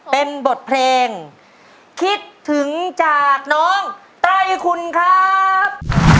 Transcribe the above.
เป็นบทเพลงคิดถึงจากน้องไตรคุณครับ